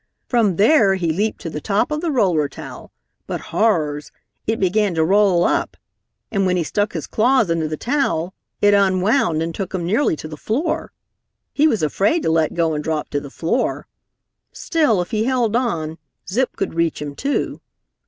From there he leaped to the top of the roller towel, but horrors! it began to roll up and when he stuck his claws into the towel, it unwound and took him nearly to the floor. He was afraid to let go and drop to the floor. Still if he held on, Zip could reach him too.